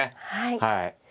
はい。